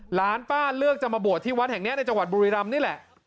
หลานป้าเลือกจะมาบวชที่วัดแห่งนี้ในจังหวัดบุรีรำนี่แหละ